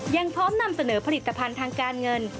ยังพร้อมนำเสนอผลิตภัณฑ์ทางการเงิน